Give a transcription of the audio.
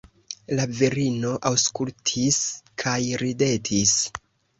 La virino aŭskultis kaj ridetis.